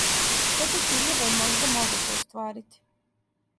Све те циљеве је можда могуће остварити.